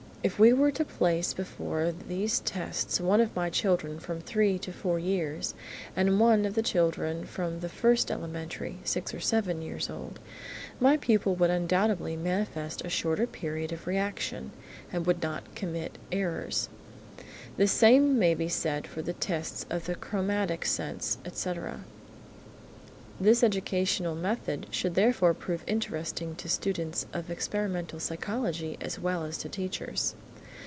If we were to place before these tests one of my children from three to four years, and one of the children from the first elementary (six or seven years old), my pupil would undoubtedly manifest a shorter period of reaction, and would not commit errors. The same may be said for the tests of the chromatic sense, etc. This educational method should therefore prove interesting to students of experimental psychology as well as to teachers.